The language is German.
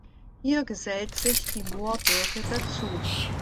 Hier gesellt sich die Moorbirke dazu.